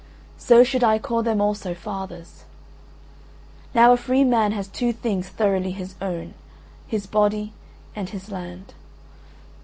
So should I call them also fathers. Now a free man has two things thoroughly his own, his body and his land.